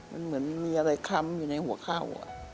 มันเหมือนมีอะไรค้ำอยู่ในหัวเข่า